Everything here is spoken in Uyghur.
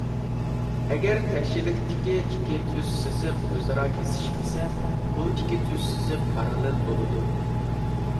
ئەگەر تەكشىلىكتىكى ئىككى تۈز سىزىق ئۆزئارا كېسىشمىسە، بۇ ئىككى تۈز سىزىق پاراللېل بولىدۇ.